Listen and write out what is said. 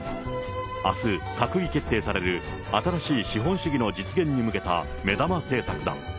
あす、閣議決定される新しい資本主義の実現に向けた目玉政策だ。